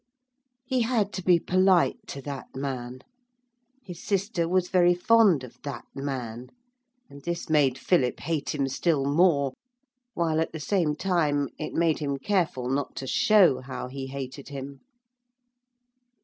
He had to be polite to that man. His sister was very fond of that man, and this made Philip hate him still more, while at the same time it made him careful not to show how he hated him.